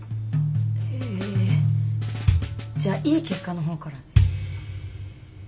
えじゃあいい結果の方からで。